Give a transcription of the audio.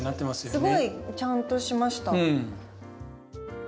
すごいちゃんとしました。